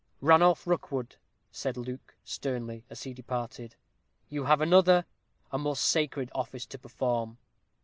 "Ranulph Rookwood," said Luke, sternly, as he departed, "you have another a more sacred office to perform.